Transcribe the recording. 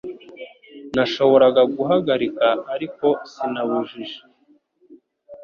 Nashoboraga guhagarika ariko sinabujije